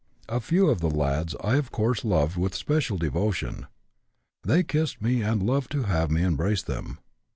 A few of the lads I of course loved with special devotion. They kissed me and loved to have me embrace them.